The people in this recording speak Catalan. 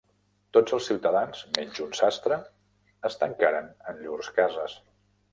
Tots els ciutadans, menys un sastre, es tancaren en llurs cases.